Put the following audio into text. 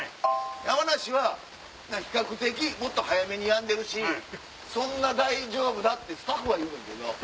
「山梨はもっと早めにやんでるし大丈夫だ」ってスタッフは言うねんけど。